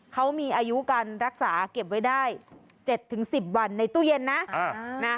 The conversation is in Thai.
เขามีอายุการรักษาเก็บไว้ได้๗๑๐วันในตู้เย็นนะ